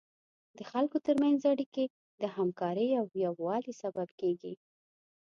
د خلکو تر منځ اړیکې د همکارۍ او یووالي سبب کیږي.